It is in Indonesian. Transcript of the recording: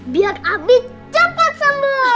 biar abi cepat sembuh